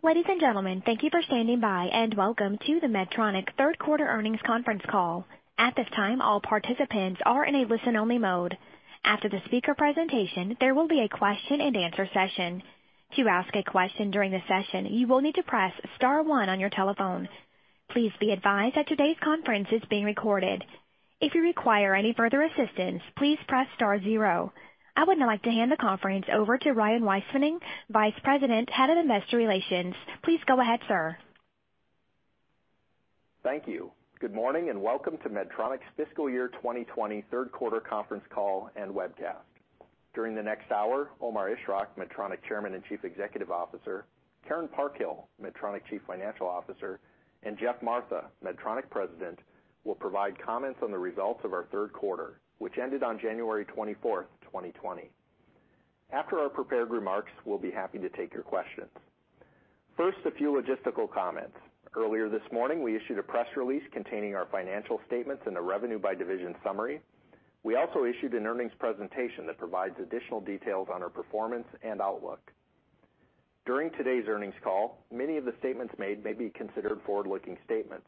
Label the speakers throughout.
Speaker 1: Ladies and gentlemen, thank you for standing by, welcome to the Medtronic third quarter earnings conference call. At this time, all participants are in a listen-only mode. After the speaker presentation, there will be a question-and-answer session. To ask a question during the session, you will need to press star one on your telephones. Please be advised that today's conference is being recorded. If you require any further assistance, please press star 0. I would now like to hand the conference over to Ryan Weispfenning, Vice President, Head of Investor Relations. Please go ahead, sir.
Speaker 2: Thank you. Good morning and welcome to Medtronic's fiscal year 2020 third quarter conference call and webcast. During the next hour, Omar Ishrak, Medtronic Chairman and Chief Executive Officer, Karen Parkhill, Medtronic Chief Financial Officer, and Geoff Martha, Medtronic President, will provide comments on the results of our third quarter, which ended on January 24th, 2020. After our prepared remarks, we'll be happy to take your questions. First, a few logistical comments. Earlier this morning, we issued a press release containing our financial statements and a revenue by division summary. We also issued an earnings presentation that provides additional details on our performance and outlook. During today's earnings call, many of the statements made may be considered forward-looking statements.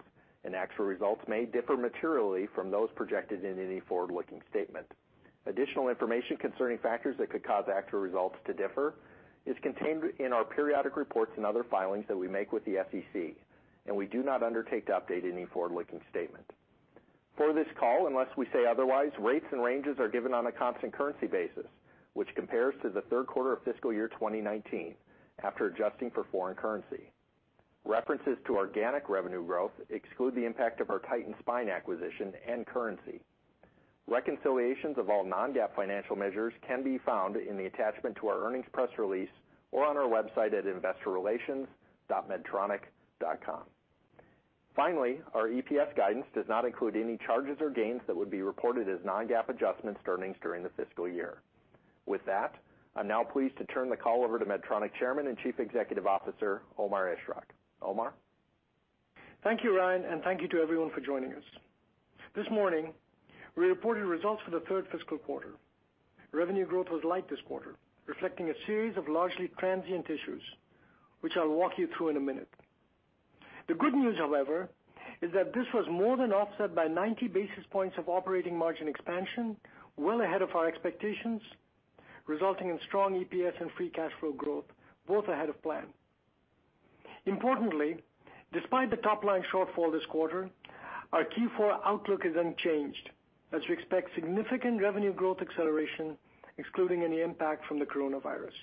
Speaker 2: Actual results may differ materially from those projected in any forward-looking statement. Additional information concerning factors that could cause actual results to differ is contained in our periodic reports and other filings that we make with the SEC. We do not undertake to update any forward-looking statement. For this call, unless we say otherwise, rates and ranges are given on a constant currency basis, which compares to the third quarter of fiscal year 2019 after adjusting for foreign currency. References to organic revenue growth exclude the impact of our Titan Spine acquisition and currency. Reconciliations of all non-GAAP financial measures can be found in the attachment to our earnings press release or on our website at investorrelations.medtronic.com. Finally, our EPS guidance does not include any charges or gains that would be reported as non-GAAP adjustments to earnings during the fiscal year. With that, I'm now pleased to turn the call over to Medtronic Chairman and Chief Executive Officer, Omar Ishrak. Omar?
Speaker 3: Thank you, Ryan, and thank you to everyone for joining us. This morning, we reported results for the third fiscal quarter. Revenue growth was light this quarter, reflecting a series of largely transient issues, which I'll walk you through in a minute. The good news, however, is that this was more than offset by 90 basis points of operating margin expansion, well ahead of our expectations, resulting in strong EPS and free cash flow growth, both ahead of plan. Importantly, despite the top-line shortfall this quarter, our Q4 outlook is unchanged, as we expect significant revenue growth acceleration, excluding any impact from the coronavirus.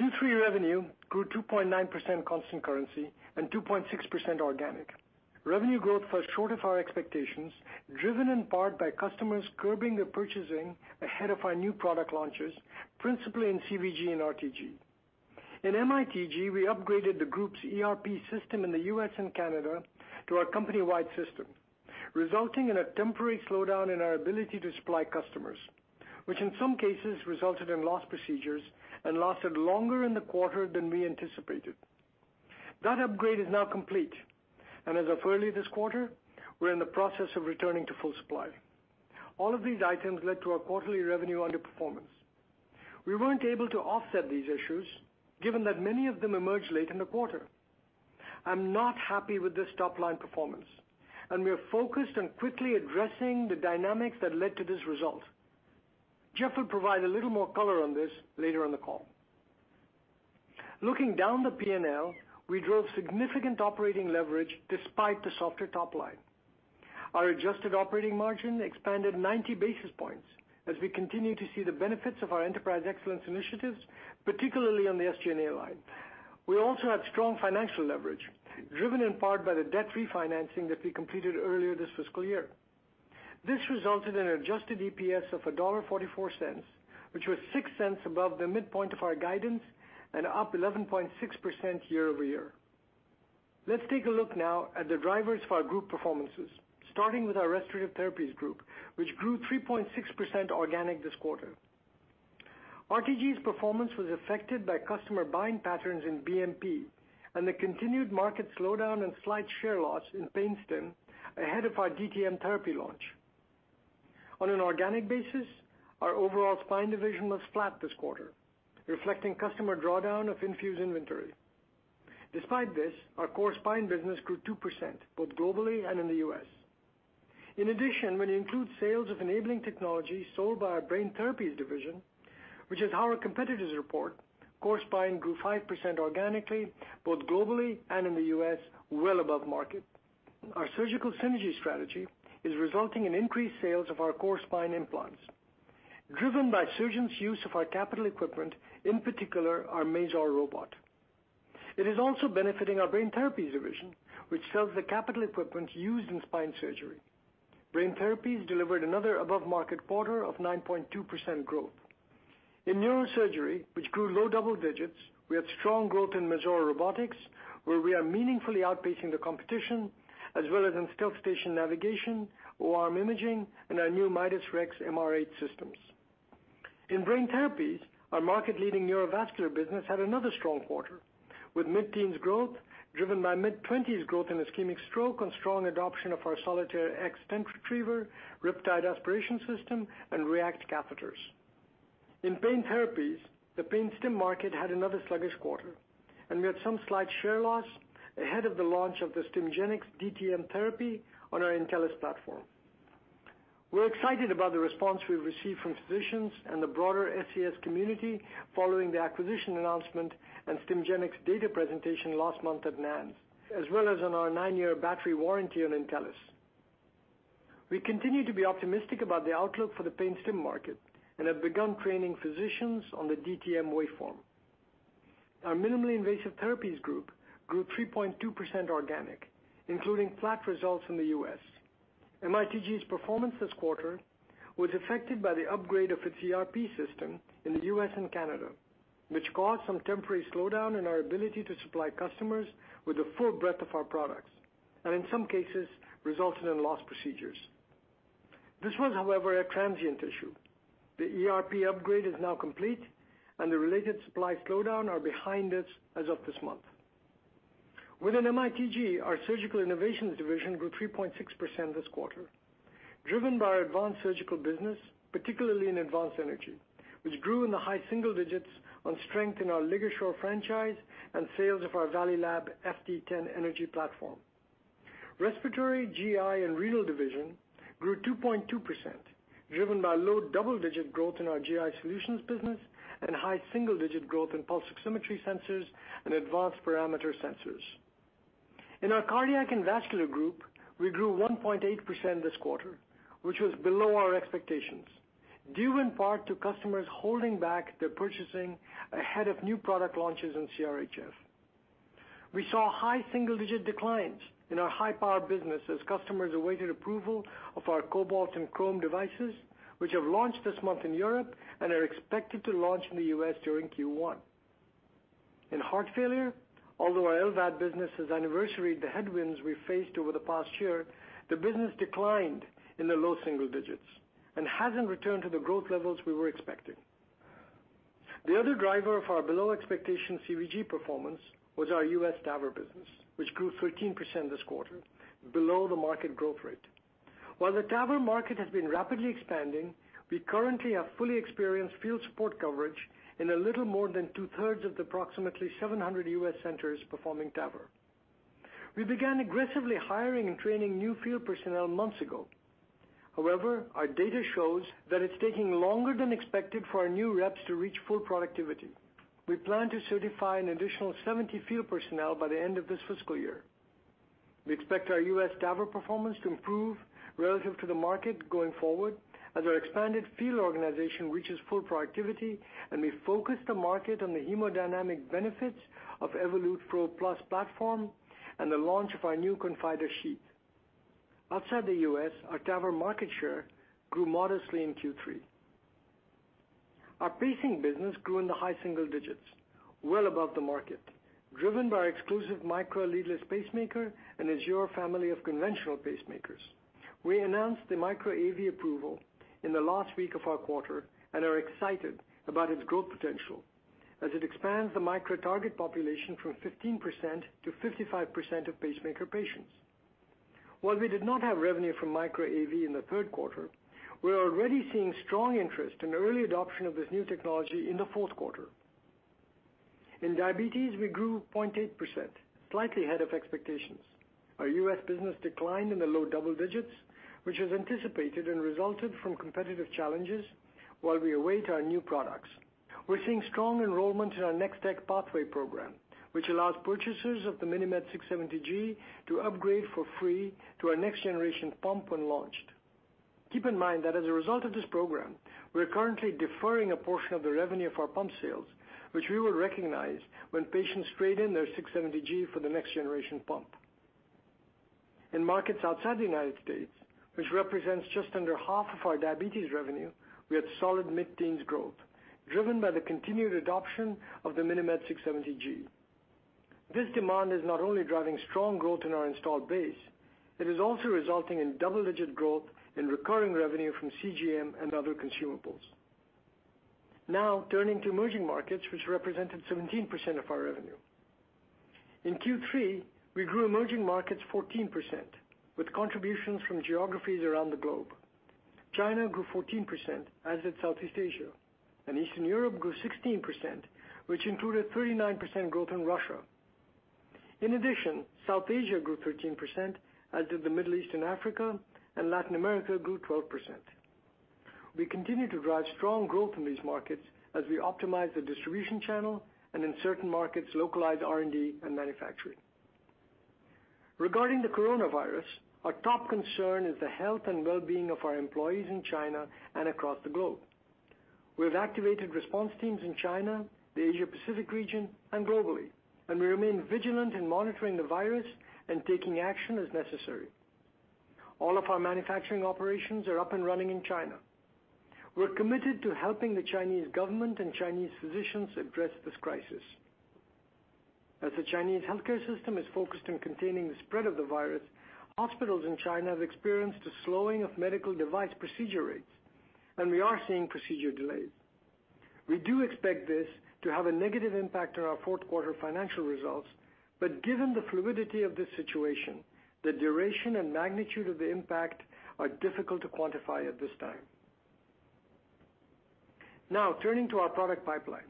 Speaker 3: Q3 revenue grew 2.9% constant currency and 2.6% organic. Revenue growth was short of our expectations, driven in part by customers curbing their purchasing ahead of our new product launches, principally in CVG and RTG. In MITG, we upgraded the group's ERP system in the U.S. and Canada to our company-wide system, resulting in a temporary slowdown in our ability to supply customers, which in some cases resulted in lost procedures and lasted longer in the quarter than we anticipated. That upgrade is now complete, and as of early this quarter, we're in the process of returning to full supply. All of these items led to our quarterly revenue underperformance. We weren't able to offset these issues, given that many of them emerged late in the quarter. I'm not happy with this top-line performance, and we are focused on quickly addressing the dynamics that led to this result. Geoff will provide a little more color on this later in the call. Looking down the P&L, we drove significant operating leverage despite the softer top line. Our adjusted operating margin expanded 90 basis points as we continue to see the benefits of our enterprise excellence initiatives, particularly on the SG&A line. We also had strong financial leverage, driven in part by the debt refinancing that we completed earlier this fiscal year. This resulted in an adjusted EPS of $1.44, which was $0.06 above the midpoint of our guidance and up 11.6% year-over-year. Let's take a look now at the drivers for our group performances, starting with our Restorative Therapies Group, which grew 3.6% organic this quarter. RTG's performance was affected by customer buying patterns in BMP and the continued market slowdown and slight share loss in pain stim ahead of our DTM therapy launch. On an organic basis, our overall spine division was flat this quarter, reflecting customer drawdown of infused inventory. Despite this, our core spine business grew 2%, both globally and in the U.S. In addition, when you include sales of enabling technology sold by our Brain Therapies division, which is how our competitors report, core spine grew 5% organically, both globally and in the U.S., well above market. Our surgical synergy strategy is resulting in increased sales of our core spine implants, driven by surgeons' use of our capital equipment, in particular our Mazor robot. It is also benefiting our Brain Therapies division, which sells the capital equipment used in spine surgery. Brain Therapies delivered another above-market quarter of 9.2% growth. In neurosurgery, which grew low double-digits, we had strong growth in Mazor Robotics, where we are meaningfully outpacing the competition, as well as in StealthStation navigation, O-arm imaging, and our new Midas Rex MR8 systems. In Brain Therapies, our market-leading neurovascular business had another strong quarter, with mid-teens growth driven by mid-20s growth in ischemic stroke and strong adoption of our Solitaire X stent retriever, Riptide aspiration system, and React catheters. In pain therapies, the pain stim market had another sluggish quarter, and we had some slight share loss ahead of the launch of the Stimgenics DTM therapy on our Intellis platform. We're excited about the response we've received from physicians and the broader SCS community following the acquisition announcement and Stimgenics data presentation last month at NANS, as well as on our nine-year battery warranty on Intellis. We continue to be optimistic about the outlook for the pain stim market and have begun training physicians on the DTM waveform. Our minimally invasive therapies group grew 3.2% organic, including flat results in the U.S. MITG's performance this quarter was affected by the upgrade of its ERP system in the U.S. and Canada, which caused some temporary slowdown in our ability to supply customers with the full breadth of our products, and in some cases, resulted in lost procedures. This was, however, a transient issue. The ERP upgrade is now complete, the related supply slowdown are behind us as of this month. Within MITG, our surgical innovations division grew 3.6% this quarter, driven by our advanced surgical business, particularly in advanced energy, which grew in the high single digits on strength in our LigaSure franchise and sales of our Valleylab FT10 energy platform. Respiratory, GI, and renal division grew 2.2% driven by low double-digit growth in our GI solutions business and high single digit growth in pulse oximetry sensors and advanced parameter sensors. In our Cardiac & Vascular Group, we grew 1.8% this quarter, which was below our expectations, due in part to customers holding back their purchasing ahead of new product launches in CRHF. We saw high single digit declines in our high-power business as customers awaited approval of our Cobalt and Crome devices, which have launched this month in Europe and are expected to launch in the U.S. during Q1. In heart failure, although our LVAD business has anniversaried the headwinds we faced over the past year, the business declined in the low single digits and hasn't returned to the growth levels we were expecting. The other driver of our below-expectation CVG performance was our U.S. TAVR business, which grew 13% this quarter, below the market growth rate. While the TAVR market has been rapidly expanding, we currently have fully experienced field support coverage in a little more than 2/3 of the approximately 700 U.S. centers performing TAVR. We began aggressively hiring and training new field personnel months ago. However, our data shows that it's taking longer than expected for our new reps to reach full productivity. We plan to certify an additional 70 field personnel by the end of this fiscal year. We expect our U.S. TAVR performance to improve relative to the market going forward as our expanded field organization reaches full productivity, and we focus the market on the hemodynamic benefits of Evolut PRO+ platform and the launch of our new Confida Sheath. Outside the U.S., our TAVR market share grew modestly in Q3. Our pacing business grew in the high single digits, well above the market, driven by our exclusive Micra leadless pacemaker and Azure family of conventional pacemakers. We announced the Micra AV approval in the last week of our quarter and are excited about its growth potential as it expands the Micra target population from 15%-55% of pacemaker patients. While we did not have revenue from Micra AV in the third quarter, we are already seeing strong interest in early adoption of this new technology in the fourth quarter. In diabetes, we grew 0.8%, slightly ahead of expectations. Our U.S. business declined in the low double digits, which was anticipated and resulted from competitive challenges while we await our new products. We're seeing strong enrollment in our NexTech Pathway program, which allows purchasers of the MiniMed 670G to upgrade for free to our next-generation pump when launched. Keep in mind that as a result of this program, we are currently deferring a portion of the revenue of our pump sales, which we will recognize when patients trade in their 670G for the next-generation pump. In markets outside the United States, which represents just under half of our diabetes revenue, we had solid mid-teens growth, driven by the continued adoption of the MiniMed 670G. This demand is not only driving strong growth in our installed base, it is also resulting in double-digit growth in recurring revenue from CGM and other consumables. Now, turning to emerging markets, which represented 17% of our revenue. In Q3, we grew emerging markets 14%, with contributions from geographies around the globe. China grew 14%, as did Southeast Asia, and Eastern Europe grew 16%, which included 39% growth in Russia. In addition, South Asia grew 13%, as did the Middle East and Africa, and Latin America grew 12%. We continue to drive strong growth in these markets as we optimize the distribution channel and in certain markets, localize R&D and manufacturing. Regarding the coronavirus, our top concern is the health and well-being of our employees in China and across the globe. We have activated response teams in China, the Asia Pacific region, and globally, and we remain vigilant in monitoring the virus and taking action as necessary. All of our manufacturing operations are up and running in China. We're committed to helping the Chinese government and Chinese physicians address this crisis. As the Chinese healthcare system is focused on containing the spread of the virus, hospitals in China have experienced a slowing of medical device procedure rates, and we are seeing procedure delays. We do expect this to have a negative impact on our fourth-quarter financial results, but given the fluidity of this situation, the duration and magnitude of the impact are difficult to quantify at this time. Turning to our product pipeline.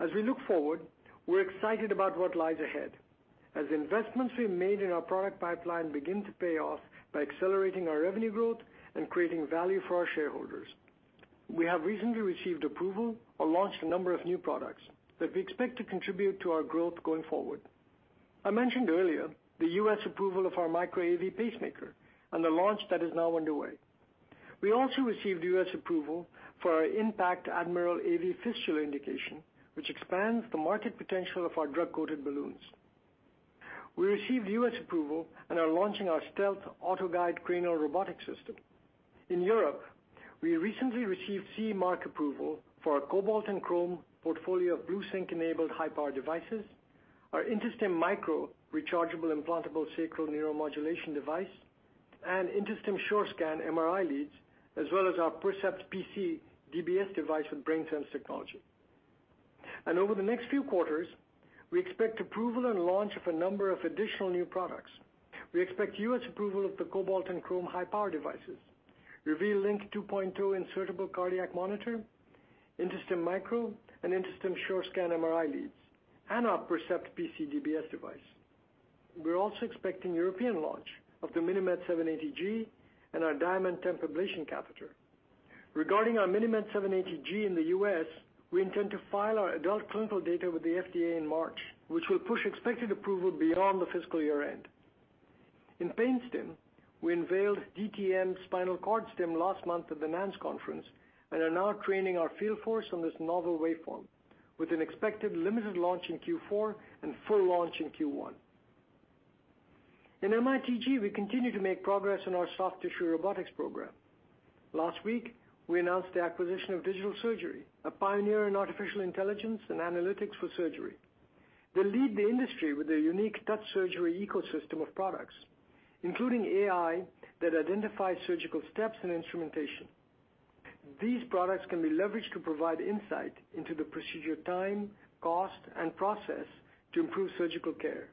Speaker 3: As we look forward, we're excited about what lies ahead as investments we made in our product pipeline begin to pay off by accelerating our revenue growth and creating value for our shareholders. We have recently received approval or launched a number of new products that we expect to contribute to our growth going forward. I mentioned earlier the U.S. approval of our Micra AV pacemaker and the launch that is now underway. We also received U.S. approval for our IN.PACT Admiral AV fistula indication, which expands the market potential of our drug-coated balloons. We received U.S. approval and are launching our Stealth Autoguide cranial robotic system. In Europe, we recently received CE mark approval for our Cobalt and Crome portfolio of BlueSync-enabled high-power devices, our InterStim Micro rechargeable implantable sacral neuromodulation device, and InterStim SureScan MRI leads, as well as our Percept PC DBS device with BrainSense technology. Over the next few quarters, we expect approval and launch of a number of additional new products. We expect U.S. approval of the Cobalt and Crome high-power devices, Reveal LINQ II insertable cardiac monitor, InterStim Micro, and InterStim SureScan MRI leads, and our Percept PC DBS device. We're also expecting European launch of the MiniMed 780G and our DiamondTemp ablation catheter. Regarding our MiniMed 780G in the U.S., we intend to file our adult clinical data with the FDA in March, which will push expected approval beyond the fiscal year-end. In PainStim, we unveiled DTM spinal cord stim last month at the NANS conference and are now training our field force on this novel waveform with an expected limited launch in Q4 and full launch in Q1. In MITG, we continue to make progress in our soft tissue robotics program. Last week, we announced the acquisition of Digital Surgery, a pioneer in artificial intelligence and analytics for surgery. They lead the industry with a unique Touch Surgery ecosystem of products, including AI that identifies surgical steps and instrumentation. These products can be leveraged to provide insight into the procedure time, cost, and process to improve surgical care.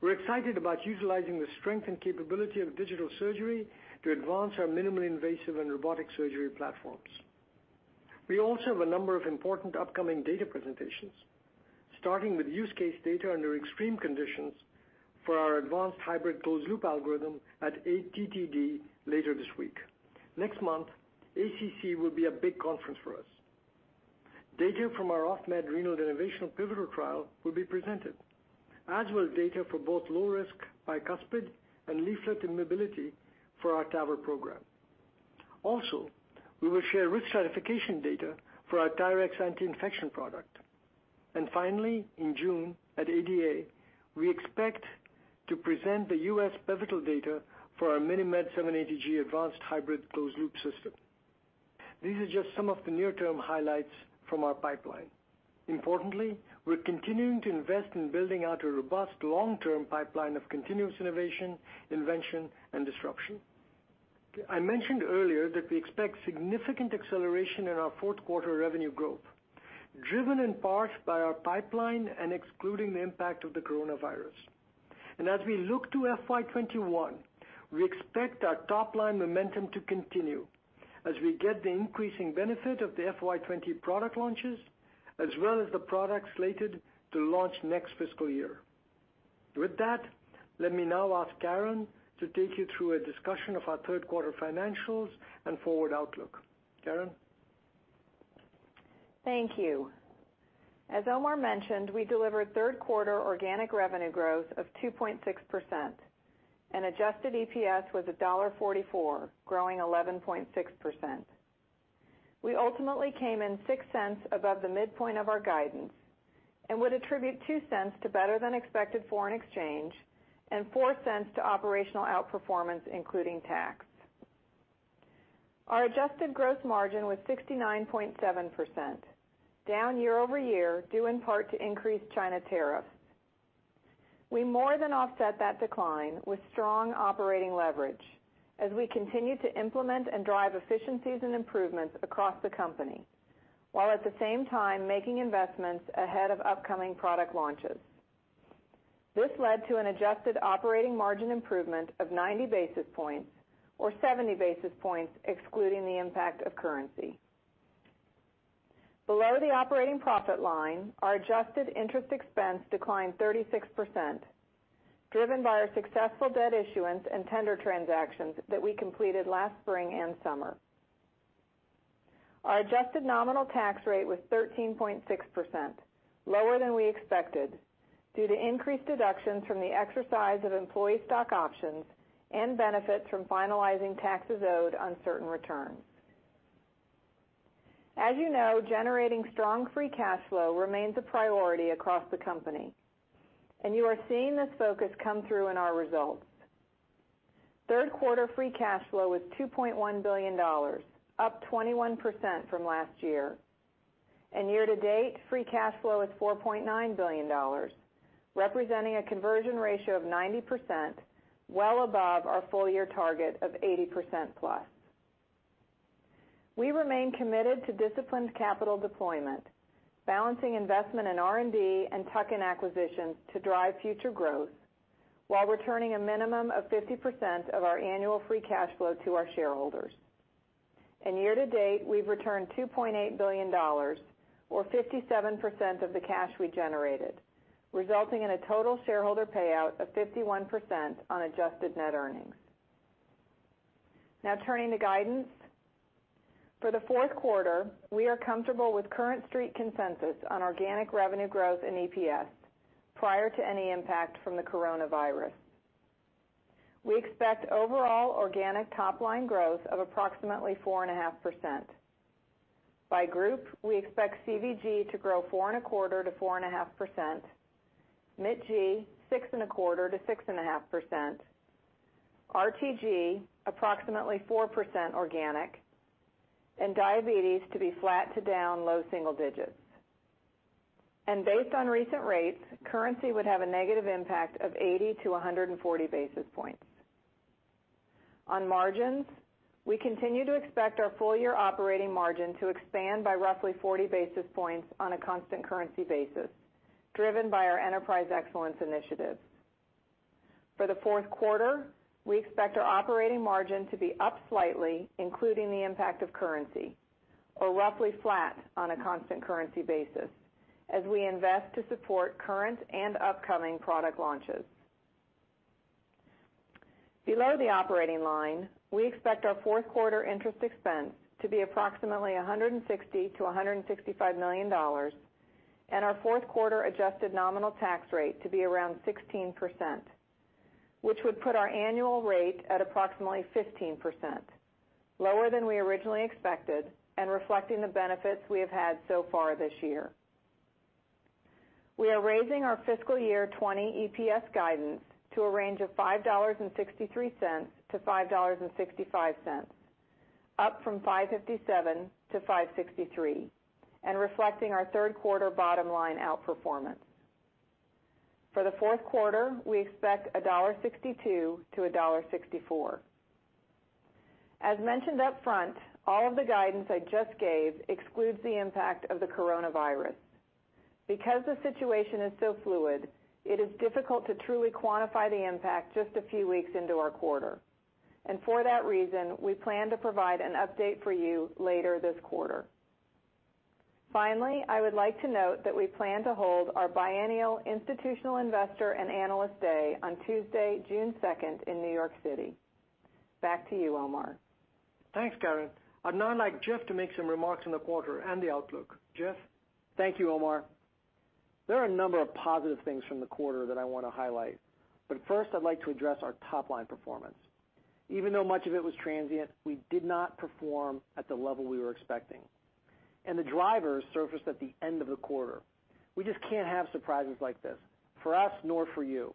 Speaker 3: We're excited about utilizing the strength and capability of Digital Surgery to advance our minimally invasive and robotic surgery platforms. We also have a number of important upcoming data presentations, starting with use case data under extreme conditions for our advanced hybrid closed-loop algorithm at ATTD later this week. Next month, ACC will be a big conference for us. Data from our Symplicity Spyral renal denervation pivotal trial will be presented, as will data for both low-risk bicuspid and leaflet immobility for our TAVR program. Also, we will share risk stratification data for our TYRX anti-infection product. Finally, in June at ADA, we expect to present the U.S. pivotal data for our MiniMed 780G advanced hybrid closed-loop system. These are just some of the near-term highlights from our pipeline. Importantly, we're continuing to invest in building out a robust long-term pipeline of continuous innovation, invention, and disruption. I mentioned earlier that we expect significant acceleration in our fourth quarter revenue growth, driven in part by our pipeline and excluding the impact of the coronavirus. As we look to FY 2021, we expect our top-line momentum to continue as we get the increasing benefit of the FY 2020 product launches as well as the products slated to launch next fiscal year. With that, let me now ask Karen to take you through a discussion of our third-quarter financials and forward outlook. Karen?
Speaker 4: Thank you. As Omar mentioned, we delivered third-quarter organic revenue growth of 2.6%, and adjusted EPS was $1.44, growing 11.6%. We ultimately came in $0.06 above the midpoint of our guidance and would attribute $0.02 to better-than-expected foreign exchange and $0.04 to operational outperformance, including tax. Our adjusted gross margin was 69.7%, down year-over-year due in part to increased China tariffs. We more than offset that decline with strong operating leverage as we continue to implement and drive efficiencies and improvements across the company while at the same time making investments ahead of upcoming product launches. This led to an adjusted operating margin improvement of 90 basis points, or 70 basis points excluding the impact of currency. Below the operating profit line, our adjusted interest expense declined 36%, driven by our successful debt issuance and tender transactions that we completed last spring and summer. Our adjusted nominal tax rate was 13.6%, lower than we expected due to increased deductions from the exercise of employee stock options and benefits from finalizing taxes owed on certain returns. As you know, generating strong free cash flow remains a priority across the company, and you are seeing this focus come through in our results. Third-quarter free cash flow was $2.1 billion, up 21% from last year. Year-to-date, free cash flow is $4.9 billion, representing a conversion ratio of 90%, well above our full-year target of 80%+. We remain committed to disciplined capital deployment, balancing investment in R&D and tuck-in acquisitions to drive future growth while returning a minimum of 50% of our annual free cash flow to our shareholders. Year-to-date, we've returned $2.8 billion, or 57% of the cash we generated, resulting in a total shareholder payout of 51% on adjusted net earnings. Now turning to guidance. For the fourth quarter, we are comfortable with current street consensus on organic revenue growth and EPS prior to any impact from the coronavirus. We expect overall organic top-line growth of approximately 4.5%. By group, we expect CVG to grow 4.25%-4.5%, MITG, 6.25%-6.5%, RTG approximately 4% organic, and diabetes to be flat to down low single digits. Based on recent rates, currency would have a negative impact of 80 to 140 basis points. On margins, we continue to expect our full-year operating margin to expand by roughly 40 basis points on a constant currency basis, driven by our Enterprise Excellence initiatives. For the fourth quarter, we expect our operating margin to be up slightly, including the impact of currency, or roughly flat on a constant currency basis, as we invest to support current and upcoming product launches. Below the operating line, we expect our fourth quarter interest expense to be approximately $160 million-$165 million, and our fourth quarter adjusted nominal tax rate to be around 16%, which would put our annual rate at approximately 15%, lower than we originally expected and reflecting the benefits we have had so far this year. We are raising our fiscal year 2020 EPS guidance to a range of $5.63-$5.65, up from $5.57-$5.63, and reflecting our third quarter bottom line outperformance. For the fourth quarter, we expect $1.62-$1.64. As mentioned up front, all of the guidance I just gave excludes the impact of the coronavirus. Because the situation is so fluid, it is difficult to truly quantify the impact just a few weeks into our quarter. For that reason, we plan to provide an update for you later this quarter. Finally, I would like to note that we plan to hold our biennial institutional investor and analyst day on Tuesday, June 2nd in New York City. Back to you, Omar.
Speaker 3: Thanks, Karen. I'd now like Geoff to make some remarks on the quarter and the outlook. Geoff?
Speaker 5: Thank you, Omar. There are a number of positive things from the quarter that I want to highlight. First, I'd like to address our top-line performance. Even though much of it was transient, we did not perform at the level we were expecting. The drivers surfaced at the end of the quarter. We just can't have surprises like this, for us nor for you.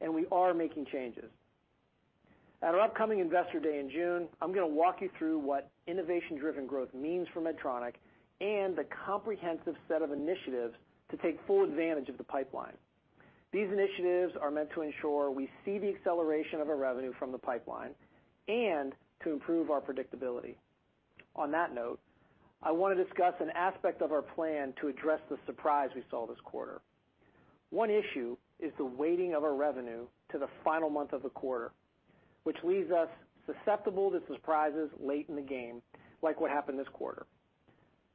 Speaker 5: We are making changes. At our upcoming investor day in June, I'm going to walk you through what innovation-driven growth means for Medtronic and the comprehensive set of initiatives to take full advantage of the pipeline. These initiatives are meant to ensure we see the acceleration of our revenue from the pipeline and to improve our predictability. On that note, I want to discuss an aspect of our plan to address the surprise we saw this quarter. One issue is the weighting of our revenue to the final month of the quarter, which leaves us susceptible to surprises late in the game, like what happened this quarter.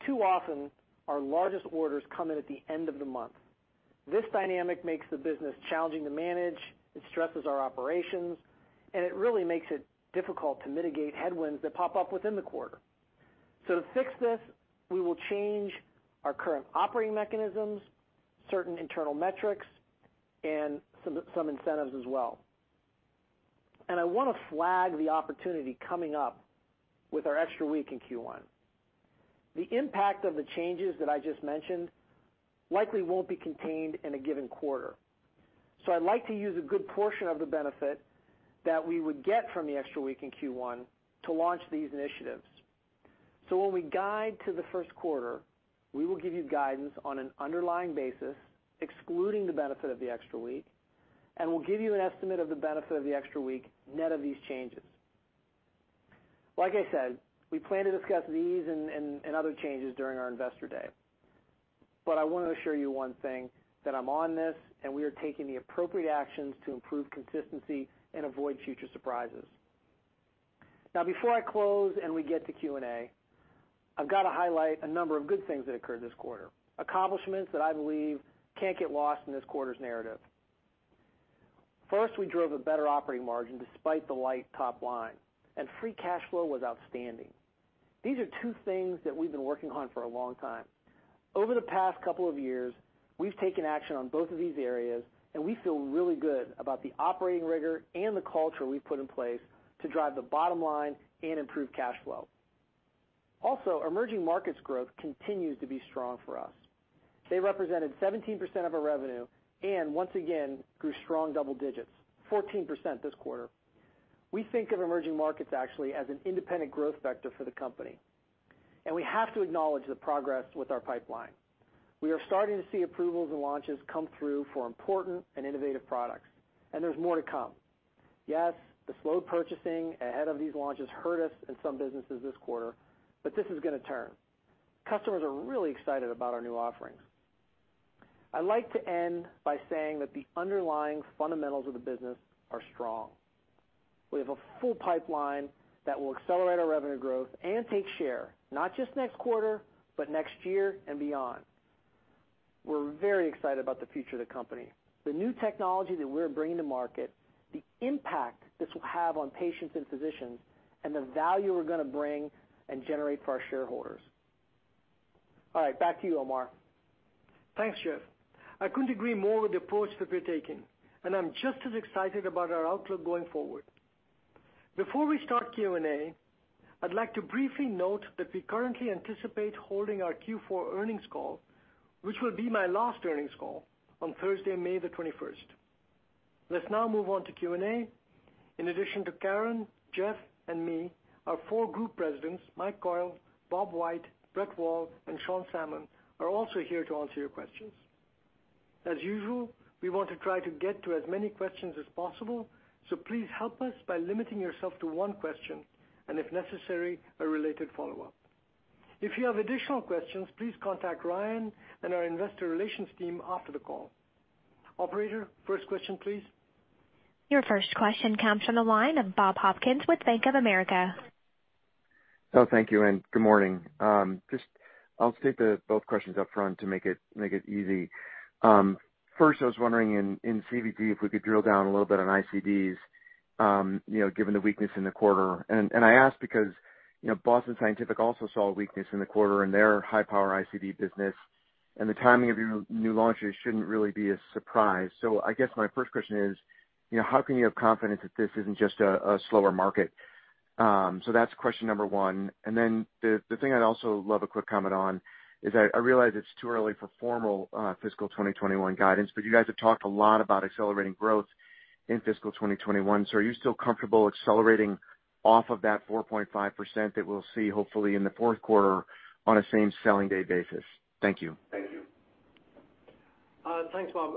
Speaker 5: Too often, our largest orders come in at the end of the month. This dynamic makes the business challenging to manage, it stresses our operations, and it really makes it difficult to mitigate headwinds that pop up within the quarter. To fix this, we will change our current operating mechanisms, certain internal metrics, and some incentives as well. I want to flag the opportunity coming up with our extra week in Q1. The impact of the changes that I just mentioned likely won't be contained in a given quarter. I'd like to use a good portion of the benefit that we would get from the extra week in Q1 to launch these initiatives. When we guide to the first quarter, we will give you guidance on an underlying basis, excluding the benefit of the extra week, and we'll give you an estimate of the benefit of the extra week net of these changes. Like I said, we plan to discuss these and other changes during our investor day. I want to assure you one thing, that I'm on this, and we are taking the appropriate actions to improve consistency and avoid future surprises. Before I close and we get to Q&A, I've got to highlight a number of good things that occurred this quarter, accomplishments that I believe can't get lost in this quarter's narrative. First, we drove a better operating margin despite the light top line, and free cash flow was outstanding. These are two things that we've been working on for a long time. Over the past couple of years, we've taken action on both of these areas, and we feel really good about the operating rigor and the culture we've put in place to drive the bottom line and improve cash flow. Also, emerging markets growth continues to be strong for us. They represented 17% of our revenue, and once again, grew strong double-digits, 14% this quarter. We think of emerging markets actually as an independent growth vector for the company. We have to acknowledge the progress with our pipeline. We are starting to see approvals and launches come through for important and innovative products. There's more to come. Yes, the slowed purchasing ahead of these launches hurt us in some businesses this quarter, but this is going to turn. Customers are really excited about our new offerings. I'd like to end by saying that the underlying fundamentals of the business are strong. We have a full pipeline that will accelerate our revenue growth and take share, not just next quarter, but next year and beyond. We're very excited about the future of the company, the new technology that we're bringing to market, the impact this will have on patients and physicians, and the value we're going to bring and generate for our shareholders. All right, back to you, Omar.
Speaker 3: Thanks, Geoff. I couldn't agree more with the approach that we're taking, and I'm just as excited about our outlook going forward. Before we start Q&A, I'd like to briefly note that we currently anticipate holding our Q4 earnings call, which will be my last earnings call, on Thursday, May the 21st. Let's now move on to Q&A. In addition to Karen, Geoff, and me, our four group presidents, Mike Coyle, Bob White, Brett Wall, and Sean Salmon, are also here to answer your questions. As usual, we want to try to get to as many questions as possible, so please help us by limiting yourself to one question and, if necessary, a related follow-up. If you have additional questions, please contact Ryan and our investor relations team after the call. Operator, first question please.
Speaker 1: Your first question comes from the line of Bob Hopkins with Bank of America Merrill Lynch.
Speaker 6: Oh, thank you, good morning. I'll state both questions up front to make it easy. First, I was wondering in CVG, if we could drill down a little bit on ICDs, given the weakness in the quarter. I ask because Boston Scientific also saw a weakness in the quarter in their high-power ICD business, and the timing of your new launches shouldn't really be a surprise. I guess my first question is: how can you have confidence that this isn't just a slower market? That's question number one. The thing I'd also love a quick comment on is I realize it's too early for formal fiscal 2021 guidance, but you guys have talked a lot about accelerating growth in fiscal 2021. Are you still comfortable accelerating off of that 4.5% that we'll see hopefully in the fourth quarter on a same selling day basis? Thank you.
Speaker 3: Thanks, Bob.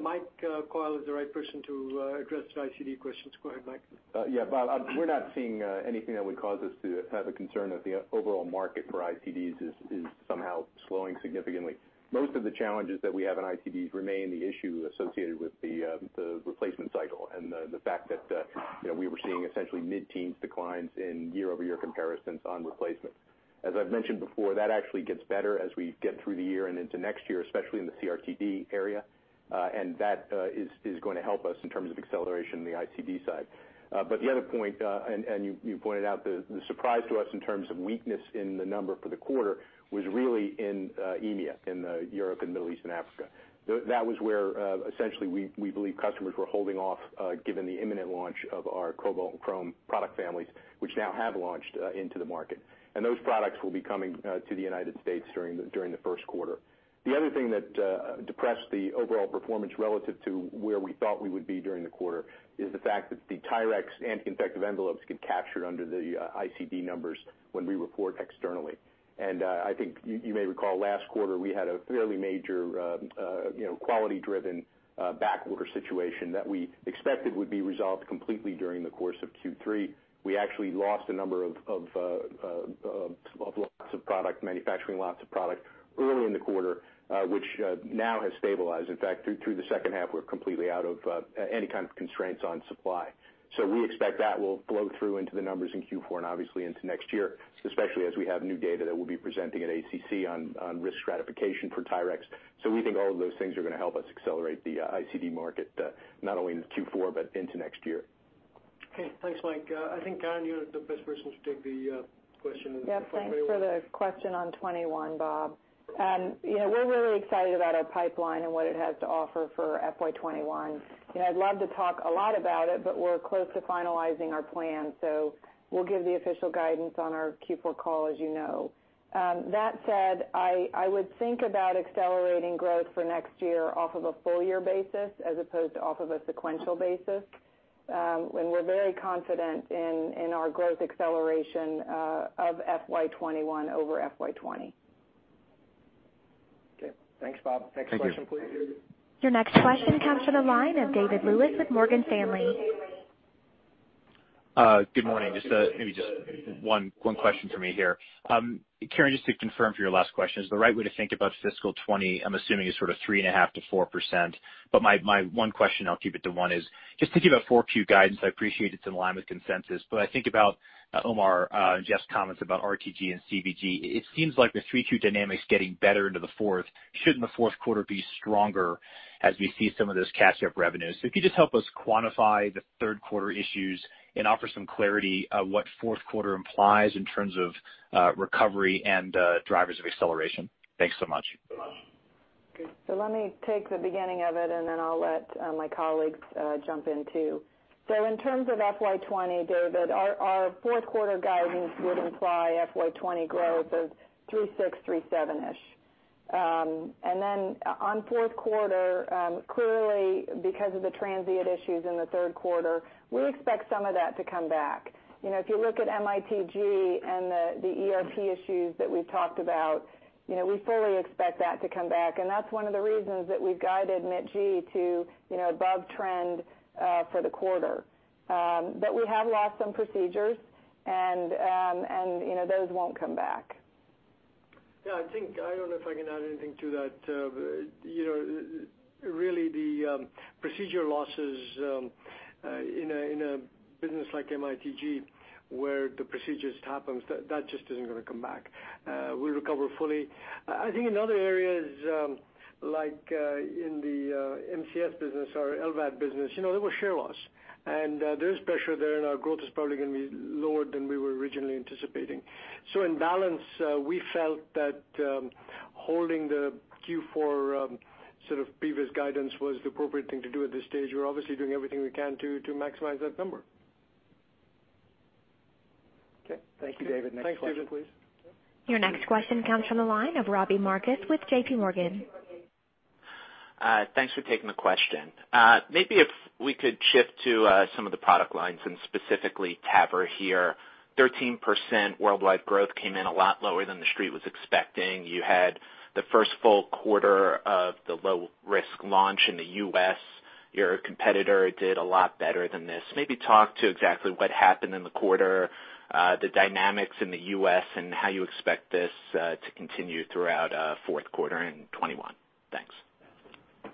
Speaker 3: Mike Coyle is the right person to address the ICD questions. Go ahead, Mike.
Speaker 7: Bob, we're not seeing anything that would cause us to have a concern that the overall market for ICDs is somehow slowing significantly. Most of the challenges that we have in ICDs remain the issue associated with the replacement cycle and the fact that we were seeing essentially mid-teens declines in year-over-year comparisons on replacement. As I've mentioned before, that actually gets better as we get through the year and into next year, especially in the CRTD area. That is going to help us in terms of acceleration in the ICD side. The other point, and you pointed out the surprise to us in terms of weakness in the number for the quarter was really in EMEA, in the Europe and Middle East and Africa. That was where, essentially, we believe customers were holding off, given the imminent launch of our Cobalt and chrome product families, which now have launched into the market. Those products will be coming to the U.S. during the first quarter. The other thing that depressed the overall performance relative to where we thought we would be during the quarter is the fact that the TYRX anti-infective envelopes get captured under the ICD numbers when we report externally. I think you may recall last quarter, we had a fairly major quality-driven backorder situation that we expected would be resolved completely during the course of Q3. We actually lost a number of manufacturing lots of product early in the quarter, which now has stabilized. In fact, through the second half, we're completely out of any kind of constraints on supply. We expect that will flow through into the numbers in Q4 and obviously into next year, especially as we have new data that we'll be presenting at ACC on risk stratification for TYRX. We think all of those things are going to help us accelerate the ICD market, not only in Q4 but into next year.
Speaker 2: Okay. Thanks, Mike. I think, Karen, you're the best person to take the question.
Speaker 4: Yeah, thanks for the question on 2021, Bob. We're really excited about our pipeline and what it has to offer for FY 2021. I'd love to talk a lot about it, but we're close to finalizing our plan, so we'll give the official guidance on our Q4 call, as you know. That said, I would think about accelerating growth for next year off of a full-year basis as opposed to off of a sequential basis. We're very confident in our growth acceleration of FY 2021 over FY 2020.
Speaker 2: Okay. Thanks, Bob.
Speaker 6: Thank you.
Speaker 2: Next question, please.
Speaker 1: Your next question comes from the line of David Lewis with Morgan Stanley.
Speaker 8: Good morning. Just maybe one question from me here. Karen, just to confirm for your last question, is the right way to think about fiscal 2020, I'm assuming, is sort of 3.5%-4%? My one question, I'll keep it to one, is just to give a 4Q guidance, I appreciate it's in line with consensus, but I think about Omar and Geoff's comments about RTG and CVG. It seems like the 3Q dynamic's getting better into the fourth. Shouldn't the fourth quarter be stronger as we see some of those catch-up revenues? If you could just help us quantify the third quarter issues and offer some clarity of what fourth quarter implies in terms of recovery and drivers of acceleration. Thanks so much.
Speaker 4: Let me take the beginning of it, and then I'll let my colleagues jump in, too. In terms of FY 2020, David, our fourth quarter guidance would imply FY 2020 growth of 3.6%, 3.7%-ish. On fourth quarter, clearly because of the transient issues in the third quarter, we expect some of that to come back. If you look at MITG and the ERP issues that we've talked about. We fully expect that to come back, and that's one of the reasons that we've guided MITG to above trend for the quarter. We have lost some procedures, and those won't come back.
Speaker 3: Yeah, I think I don't know if I can add anything to that. Really the procedure losses in a business like MITG, where the procedures happens, that just isn't going to come back. We'll recover fully. I think in other areas, like in the MCS business or LVAD business, there was share loss, and there is pressure there, and our growth is probably going to be lower than we were originally anticipating. In balance, we felt that holding the Q4 sort of previous guidance was the appropriate thing to do at this stage. We're obviously doing everything we can to maximize that number.
Speaker 2: Okay. Thank you, David. Next question, please.
Speaker 1: Your next question comes from the line of Robbie Marcus with JPMorgan.
Speaker 9: Thanks for taking the question. Maybe if we could shift to some of the product lines and specifically TAVR here. 13% worldwide growth came in a lot lower than the street was expecting. You had the first full quarter of the low-risk launch in the U.S. Your competitor did a lot better than this. Maybe talk to exactly what happened in the quarter, the dynamics in the U.S., and how you expect this to continue throughout fourth quarter and 2021. Thanks.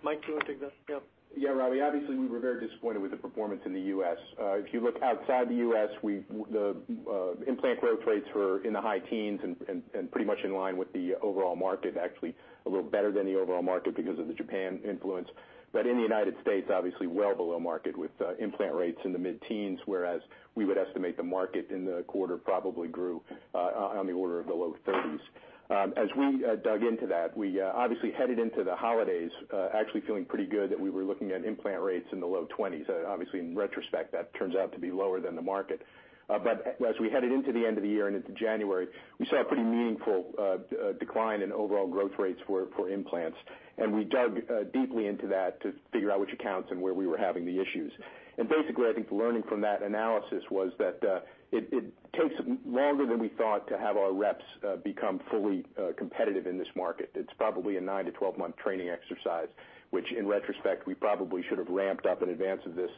Speaker 3: Mike, do you want to take that? Yeah.
Speaker 7: Yeah, Robbie, obviously, we were very disappointed with the performance in the U.S. If you look outside the U.S., the implant growth rates were in the high teens and pretty much in line with the overall market, actually a little better than the overall market because of the Japan influence. In the United States, obviously well below market with implant rates in the mid-teens, whereas we would estimate the market in the quarter probably grew on the order of the low 30s. As we dug into that, we obviously headed into the holidays actually feeling pretty good that we were looking at implant rates in the low 20s. Obviously, in retrospect, that turns out to be lower than the market. As we headed into the end of the year and into January, we saw a pretty meaningful decline in overall growth rates for implants, and we dug deeply into that to figure out which accounts and where we were having the issues. Basically, I think the learning from that analysis was that it takes longer than we thought to have our reps become fully competitive in this market. It's probably a 9-12-month training exercise, which in retrospect, we probably should have ramped up in advance of this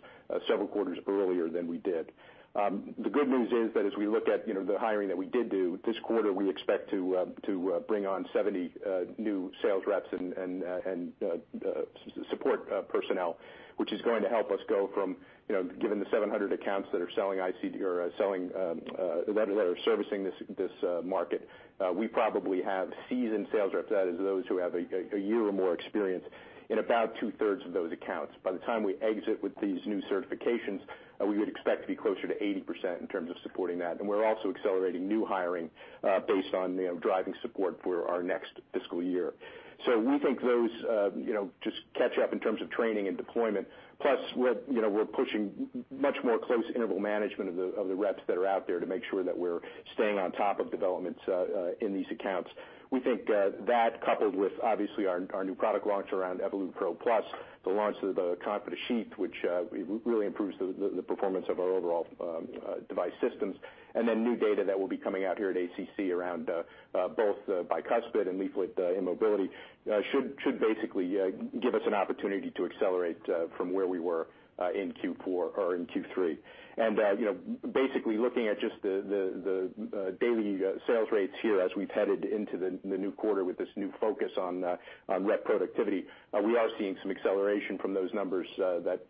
Speaker 7: several quarters earlier than we did. The good news is that as we look at the hiring that we did do this quarter, we expect to bring on 70 new sales reps and support personnel, which is going to help us go from, given the 700 accounts that are selling or that are servicing this market. We probably have seasoned sales reps, that is those who have a year or more experience in about two-thirds of those accounts. By the time we exit with these new certifications, we would expect to be closer to 80% in terms of supporting that. We're also accelerating new hiring based on driving support for our next fiscal year. We think those just catch up in terms of training and deployment. Plus, we're pushing much more close interval management of the reps that are out there to make sure that we're staying on top of developments in these accounts. We think that coupled with obviously our new product launch around Evolut PRO+, the launch of the Confida Sheath, which really improves the performance of our overall device systems, and then new data that will be coming out here at ACC around both bicuspid and leaflet immobility should basically give us an opportunity to accelerate from where we were in Q4 or in Q3. Basically looking at just the daily sales rates here as we've headed into the new quarter with this new focus on rep productivity, we are seeing some acceleration from those numbers that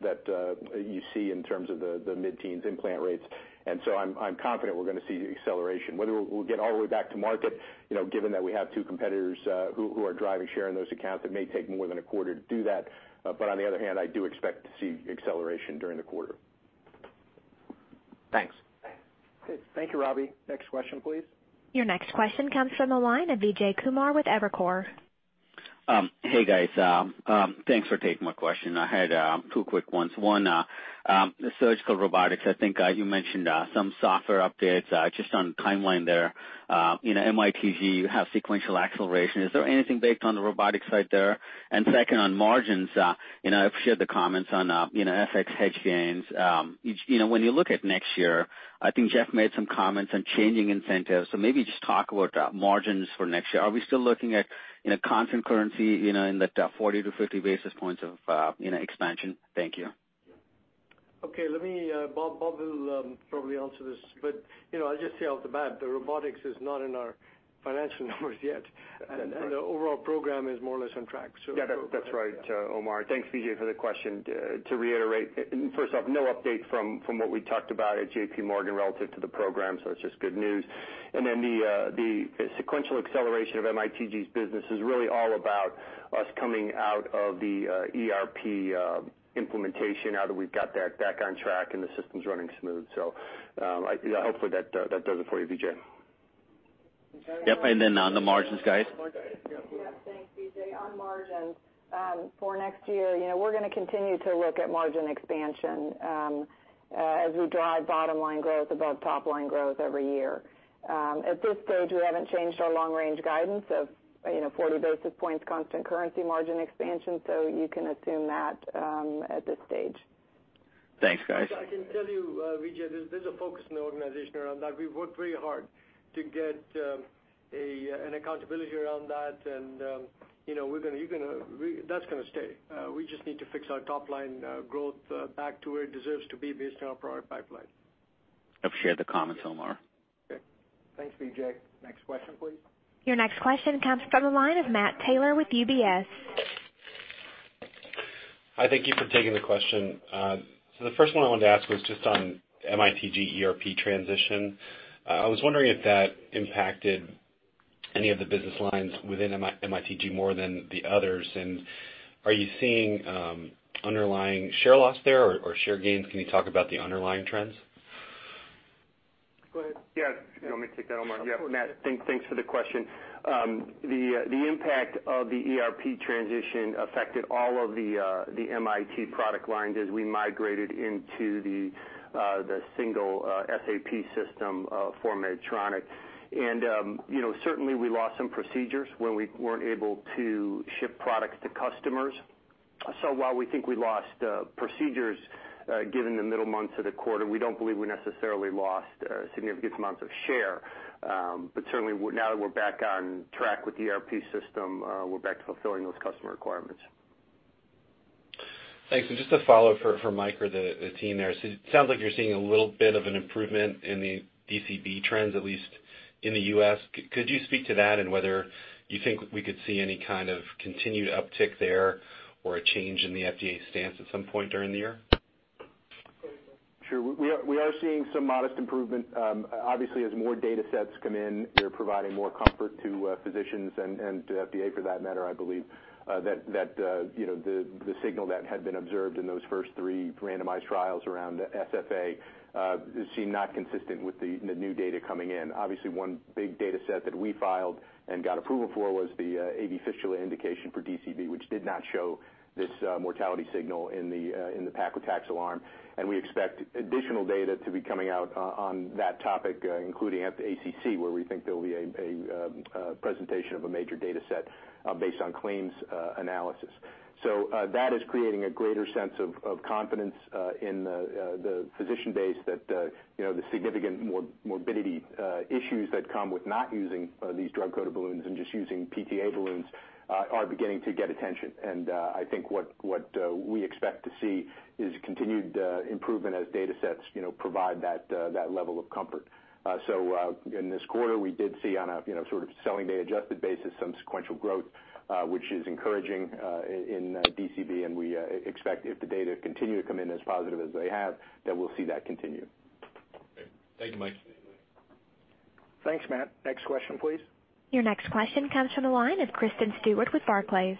Speaker 7: you see in terms of the mid-teens implant rates. I'm confident we're going to see acceleration. Whether we'll get all the way back to market, given that we have two competitors who are driving share in those accounts, it may take more than a quarter to do that. On the other hand, I do expect to see acceleration during the quarter.
Speaker 9: Thanks.
Speaker 2: Okay. Thank you, Robbie. Next question, please.
Speaker 1: Your next question comes from the line of Vijay Kumar with Evercore.
Speaker 10: Hey, guys. Thanks for taking my question. I had two quick ones. One, surgical robotics, I think you mentioned some software updates just on timeline there. In MITG, you have sequential acceleration. Is there anything based on the robotics side there? Second, on margins, I appreciate the comments on FX hedge gains. When you look at next year, I think Geoff made some comments on changing incentives, so maybe just talk about margins for next year. Are we still looking at constant currency in that 40 basis points to 50 basis points of expansion? Thank you.
Speaker 3: Bob will probably answer this, but I'll just say off the bat that robotics is not in our financial numbers yet, and the overall program is more or less on track.
Speaker 11: That's right, Omar. Thanks, Vijay, for the question. To reiterate, first off, no update from what we talked about at JPMorgan relative to the program, it's just good news. The sequential acceleration of MITG's business is really all about us coming out of the ERP implementation now that we've got that back on track and the system's running smooth. Hopefully that does it for you, Vijay.
Speaker 10: Yep, then on the margins, guys?
Speaker 4: Yeah, thanks, Vijay. On margins, for next year, we're going to continue to look at margin expansion as we drive bottom-line growth above top-line growth every year. At this stage, we haven't changed our long-range guidance of 40 basis points constant currency margin expansion, so you can assume that at this stage.
Speaker 10: Thanks, guys.
Speaker 3: I can tell you, Vijay, there's a focus in the organization around that. We've worked very hard to get an accountability around that. That's going to stay. We just need to fix our top-line growth back to where it deserves to be based on our product pipeline.
Speaker 10: I appreciate the comments, Omar.
Speaker 3: Okay.
Speaker 2: Thanks, Vijay. Next question, please.
Speaker 1: Your next question comes from the line of Matt Taylor with UBS.
Speaker 12: Hi, thank you for taking the question. The first one I wanted to ask was just on MITG ERP transition. I was wondering if that impacted any of the business lines within MITG more than the others, and are you seeing underlying share loss there or share gains? Can you talk about the underlying trends?
Speaker 3: Go ahead.
Speaker 11: Yes. You want me to take that, Omar?
Speaker 3: Of course.
Speaker 11: Yeah, Matt, thanks for the question. The impact of the ERP transition affected all of the MIT product lines as we migrated into the single SAP system for Medtronic. Certainly we lost some procedures where we weren't able to ship products to customers. While we think we lost procedures given the middle months of the quarter, we don't believe we necessarily lost significant amounts of share. Certainly now that we're back on track with the ERP system, we're back to fulfilling those customer requirements.
Speaker 12: Thanks. Just a follow-up for Mike or the team there. It sounds like you're seeing a little bit of an improvement in the DCB trends, at least in the U.S. Could you speak to that and whether you think we could see any kind of continued uptick there or a change in the FDA stance at some point during the year?
Speaker 7: Sure. We are seeing some modest improvement. Obviously, as more data sets come in, they're providing more comfort to physicians and to FDA for that matter, I believe, that the signal that had been observed in those first three randomized trials around SFA seem not consistent with the new data coming in. Obviously, one big data set that we filed and got approval for was the AV fistula indication for DCB, which did not show this mortality signal in the paclitaxel arm. We expect additional data to be coming out on that topic, including at the ACC, where we think there'll be a presentation of a major data set based on claims analysis. That is creating a greater sense of confidence in the physician base that the significant morbidity issues that come with not using these drug-coated balloons and just using PTA balloons are beginning to get attention. I think what we expect to see is continued improvement as data sets provide that level of comfort. In this quarter, we did see on a sort of selling day adjusted basis, some sequential growth, which is encouraging in DCB, and we expect if the data continue to come in as positive as they have, that we'll see that continue.
Speaker 12: Okay. Thank you, Mike.
Speaker 2: Thanks, Matt. Next question, please.
Speaker 1: Your next question comes from the line of Kristen Stewart with Barclays.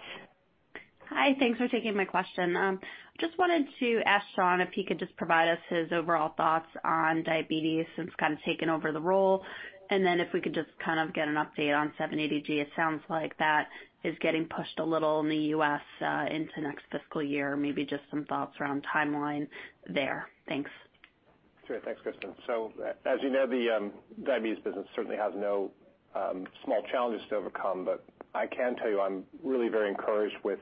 Speaker 13: Hi. Thanks for taking my question. Just wanted to ask Sean if he could just provide us his overall thoughts on diabetes since kind of taking over the role, and then if we could just kind of get an update on 780G. It sounds like that is getting pushed a little in the U.S. into next fiscal year. Maybe just some thoughts around timeline there. Thanks.
Speaker 14: Sure. Thanks, Kristen. As you know, the diabetes business certainly has no small challenges to overcome, but I can tell you I'm really very encouraged with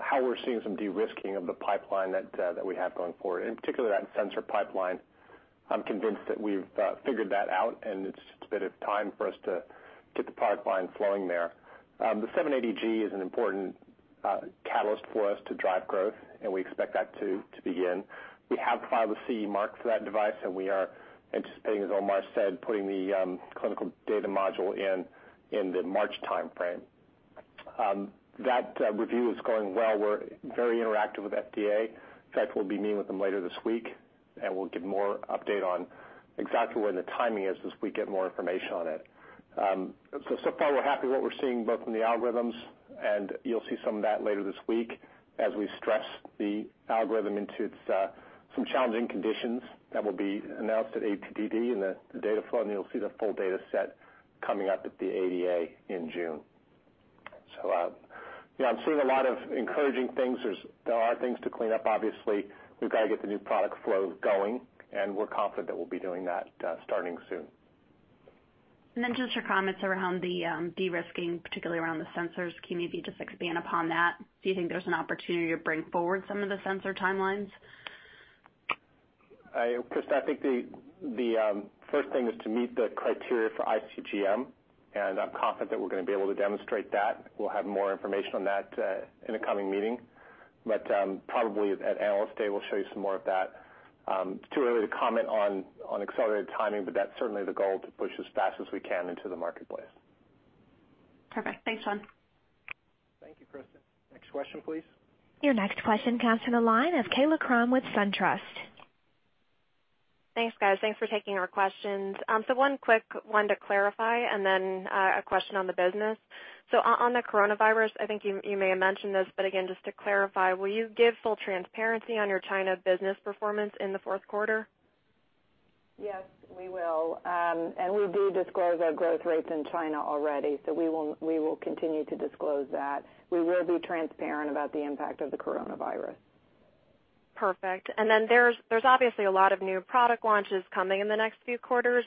Speaker 14: how we're seeing some de-risking of the pipeline that we have going forward, in particular that sensor pipeline. I'm convinced that we've figured that out, and it's just a bit of time for us to get the product line flowing there. The MiniMed 780G is an important catalyst for us to drive growth, and we expect that to begin. We have filed the CE mark for that device, and we are anticipating, as Omar said, putting the clinical data module in the March timeframe. That review is going well. We're very interactive with FDA. In fact, we'll be meeting with them later this week, and we'll give more update on exactly when the timing is as we get more information on it. Far we're happy with what we're seeing both from the algorithms, and you'll see some of that later this week as we stress the algorithm into some challenging conditions that will be announced at ATTD in the data flow, and you'll see the full data set coming up at the ADA in June. I'm seeing a lot of encouraging things. There are things to clean up, obviously. We've got to get the new product flow going, and we're confident that we'll be doing that starting soon.
Speaker 13: Just your comments around the de-risking, particularly around the sensors. Can you maybe just expand upon that? Do you think there's an opportunity to bring forward some of the sensor timelines?
Speaker 14: Kristen, I think the first thing is to meet the criteria for iCGM, and I'm confident that we're going to be able to demonstrate that. We'll have more information on that in a coming meeting, but probably at Analyst Day we'll show you some more of that. It's too early to comment on accelerated timing, but that's certainly the goal to push as fast as we can into the marketplace.
Speaker 13: Perfect. Thanks, Sean.
Speaker 2: Thank you, Kristen. Next question, please.
Speaker 1: Your next question comes from the line of Kaila Krum with Truist Securities.
Speaker 15: Thanks, guys. Thanks for taking our questions. One quick one to clarify and then a question on the business. On the coronavirus, I think you may have mentioned this, but again, just to clarify, will you give full transparency on your China business performance in the fourth quarter?
Speaker 4: Yes, we will. We do disclose our growth rates in China already, so we will continue to disclose that. We will be transparent about the impact of the coronavirus.
Speaker 15: Perfect. There's obviously a lot of new product launches coming in the next few quarters,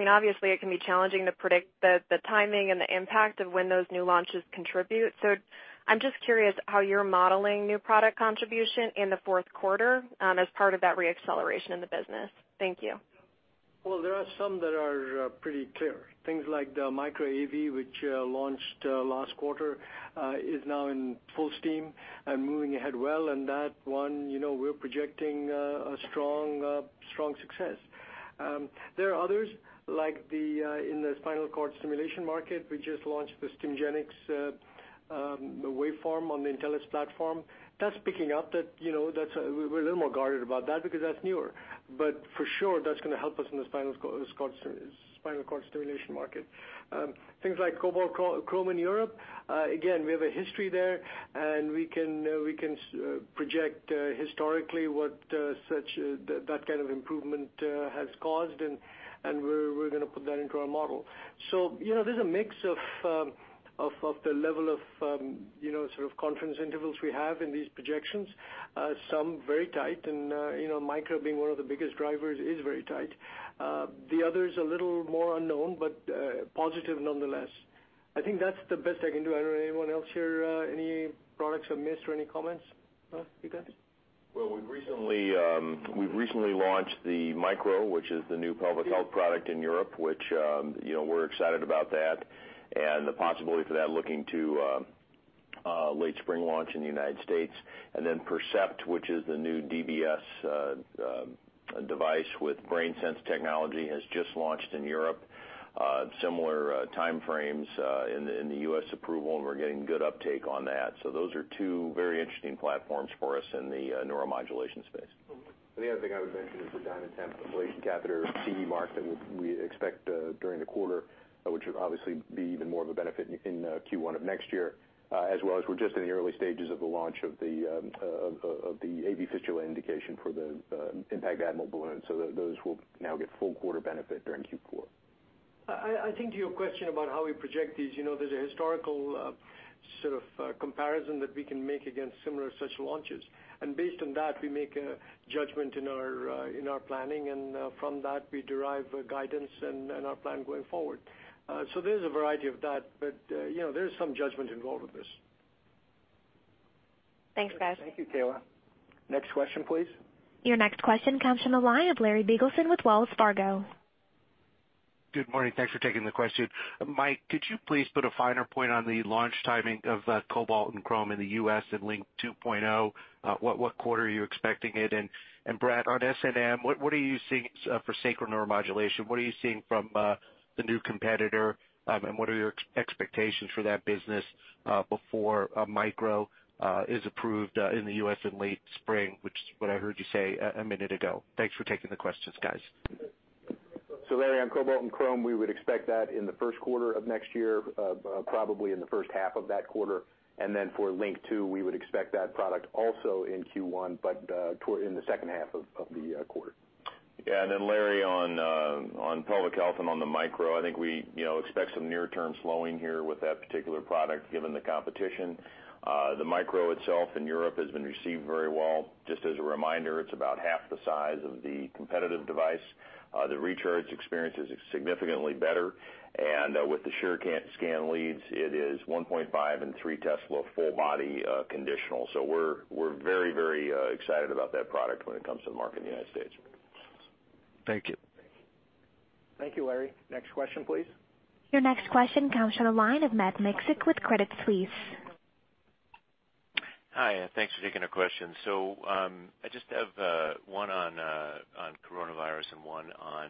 Speaker 15: obviously it can be challenging to predict the timing and the impact of when those new launches contribute. I'm just curious how you're modeling new product contribution in the fourth quarter as part of that re-acceleration in the business. Thank you.
Speaker 3: Well, there are some that are pretty clear. Things like the Micra AV, which launched last quarter, is now in full steam and moving ahead well. That one, we're projecting a strong success. There are others, like in the spinal cord stimulation market. We just launched the Stimgenics waveform on the Intellis platform. That's picking up. We're a little more guarded about that because that's newer. For sure, that's going to help us in the spinal cord stimulation market. Things like Cobalt and Crome in Europe, again, we have a history there, and we can project historically what that kind of improvement has caused, and we're going to put that into our model. There's a mix of the level of sort of confidence intervals we have in these projections. Some very tight, and Micra being one of the biggest drivers, is very tight. The other is a little more unknown, but positive nonetheless. I think that's the best I can do. I don't know anyone else here, any products I missed or any comments? You guys?
Speaker 16: Well, we've recently launched the Micra, which is the new pelvic health product in Europe, which we're excited about that and the possibility for that looking to late spring launch in the United States. Percept, which is the new DBS device with BrainSense technology, has just launched in Europe. Similar timeframes in the U.S. approval, and we're getting good uptake on that. Those are two very interesting platforms for us in the neuromodulation space. The other thing I would mention is the DiamondTemp ablation catheter CE mark that we expect during the quarter, which would obviously be even more of a benefit in Q1 of next year, as well as we're just in the early stages of the launch of the AV fistula indication for the IN.PACT Admiral balloon. Those will now get full quarter benefit during Q4.
Speaker 3: I think to your question about how we project these, there's a historical sort of comparison that we can make against similar such launches. Based on that, we make a judgment in our planning, and from that, we derive guidance and our plan going forward. There's a variety of that, but there's some judgment involved with this.
Speaker 15: Thanks, guys.
Speaker 2: Thank you, Kaila. Next question, please.
Speaker 1: Your next question comes from the line of Larry Biegelsen with Wells Fargo.
Speaker 17: Good morning. Thanks for taking the question. Mike, could you please put a finer point on the launch timing of Cobalt and Crome in the U.S. and LINQ II? What quarter are you expecting it in? Brett, on SNM, what are you seeing for sacral neuromodulation? What are you seeing from the new competitor, and what are your expectations for that business before Micro is approved in the U.S. in late spring, which is what I heard you say a minute ago. Thanks for taking the questions, guys.
Speaker 7: Larry, on Cobalt and Crome, we would expect that in the first quarter of next year, probably in the first half of that quarter. For LINQ II, we would expect that product also in Q1, but in the second half of the quarter.
Speaker 16: Yeah. Larry, on public health and on the Micra, I think we expect some near-term slowing here with that particular product, given the competition. The Micra itself in Europe has been received very well. Just as a reminder, it's about half the size of the competitive device. The recharge experience is significantly better. With the SureScan leads, it is 1.5 and three tesla full body conditional. We're very excited about that product when it comes to the market in the U.S.
Speaker 17: Thank you.
Speaker 2: Thank you, Larry. Next question, please.
Speaker 1: Your next question comes from the line of Matt Miksic with Credit Suisse.
Speaker 18: Hi, thanks for taking our question. I just have one on coronavirus and one on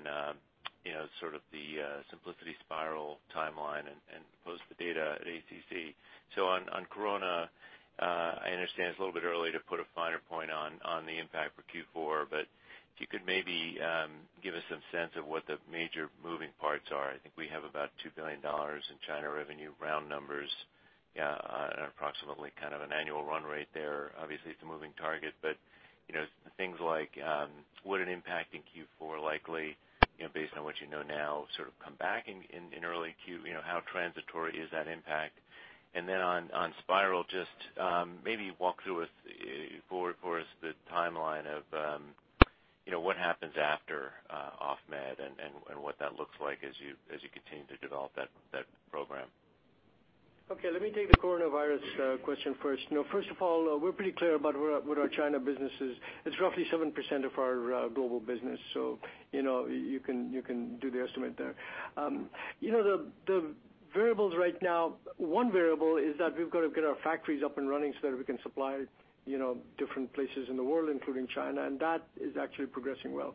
Speaker 18: sort of the Symplicity Spyral timeline and post the data at ACC. On corona, I understand it's a little bit early to put a finer point on the impact for Q4, if you could maybe give us some sense of what the major moving parts are. I think we have about $2 billion in China revenue, round numbers, on approximately kind of an annual run rate there. Obviously, it's a moving target, things like would an impact in Q4 likely, based on what you know now, sort of come back in early Q? How transitory is that impact? On Spyral, just maybe walk through for us the timeline of what happens after off med and what that looks like as you continue to develop that program.
Speaker 3: Okay, let me take the coronavirus question first. First of all, we're pretty clear about what our China business is. It's roughly 7% of our global business. You can do the estimate there. The variables right now, one variable is that we've got to get our factories up and running so that we can supply different places in the world, including China, and that is actually progressing well.